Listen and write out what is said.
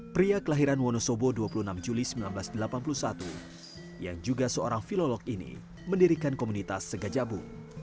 pria kelahiran wonosobo dua puluh enam juli seribu sembilan ratus delapan puluh satu yang juga seorang filolog ini mendirikan komunitas segajabung